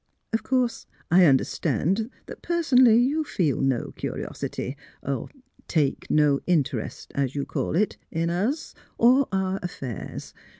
Of course, I understand that personally you feel no curiosity — er — take no interest, as you call it, — in us, or our affairs.